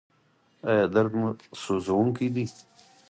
ایا درد مو سوځونکی دی؟